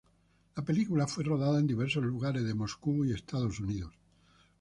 La película fue rodada en diversos lugares de Moscú y Estados Unidos.